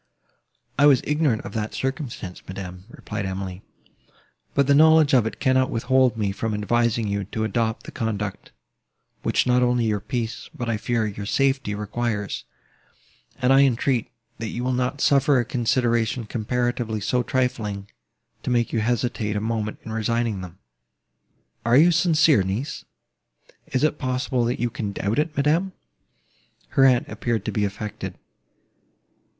"I was ignorant of that circumstance, madam," replied Emily, "but the knowledge of it cannot withhold me from advising you to adopt the conduct, which not only your peace, but, I fear, your safety requires, and I entreat, that you will not suffer a consideration comparatively so trifling, to make you hesitate a moment in resigning them." "Are you sincere, niece?" "Is it possible you can doubt it, madam?" Her aunt appeared to be affected.